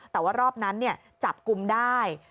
แต่ว่ารอบนั้นจับกลุ่มได้